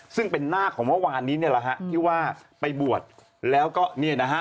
ซึ่งเป็นหน้าของเมื่อวานนี้เนี่ยแหละฮะที่ว่าไปบวชแล้วก็เนี่ยนะฮะ